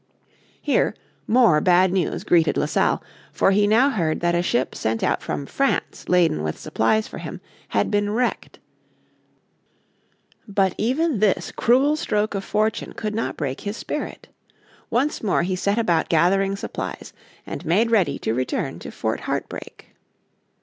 Here more bad news greeted La Salle, for he now heard that a ship sent out from France laden with supplies for him had been wrecked. But even this cruel stroke of fortune could not break his spirit. Once more he set about gathering supplies, and made ready to return to Fort Heart break.